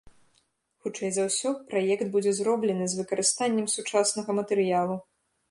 Хутчэй за ўсё, праект будзе зроблены з выкарыстаннем сучаснага матэрыялу.